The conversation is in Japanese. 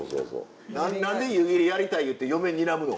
何で湯切りやりたい言うて嫁にらむの？